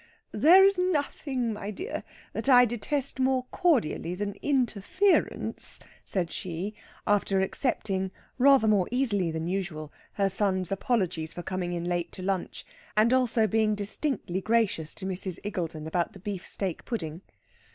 "There is nothing, my dear, that I detest more cordially than interference," said she, after accepting, rather more easily than usual, her son's apologies for coming in late to lunch, and also being distinctly gracious to Mrs. Iggulden about the beefsteak pudding.